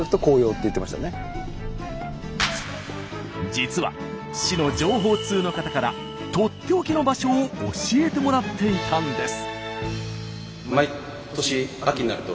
実は市の情報通の方からとっておきの場所を教えてもらっていたんです。